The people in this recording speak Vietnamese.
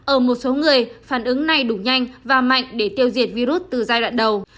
ở một số người phản ứng này đủ nhanh và mạnh để tiêu diệt virus từ giai đoạn đầu